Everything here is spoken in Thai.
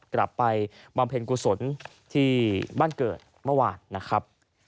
บำเพ็ญกุศลที่บ้านเกิดเมื่อวานนะครับ